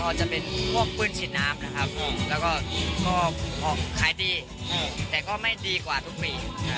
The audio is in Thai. ก็จะเป็นพวกปื้นชินน้ำนะครับแล้วก็ขายดีแต่ก็ไม่ดีกว่าทุกปี